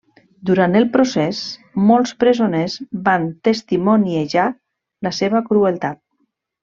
Durant el procés, molts presoners van testimoniejar la seva crueltat.